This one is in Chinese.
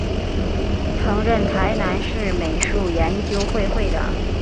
曾任台南市美术研究会会长。